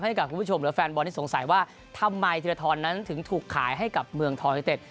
ให้กับคุณผู้ชมและแฟนบอลที่สงสัยว่าทำไมธีรทรนั้นถึงถูกขายให้กับเมืองทอนิเต็ด